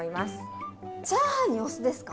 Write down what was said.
チャーハンにお酢ですか？